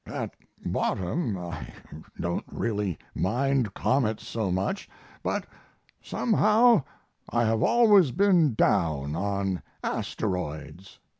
At bottom I don't really mind comets so much, but somehow I have always been down on asteroids.